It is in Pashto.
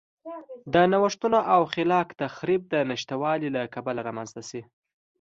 د نوښتونو او خلاق تخریب د نشتوالي له کبله رامنځته شي.